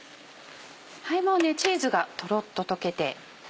もうチーズがトロっと溶けて。